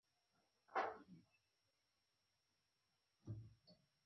صنعتي کېدو غوړېدونکی بهیر فلج کړل.